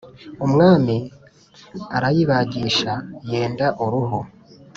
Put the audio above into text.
umwami arayibagisha yenda uruhu,